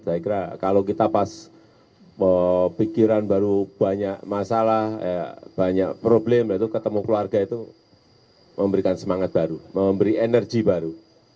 saya kira kalau kita pas mau pikiran baru banyak masalah banyak problem ketemu keluarga itu memberikan semangat baru memberi energi baru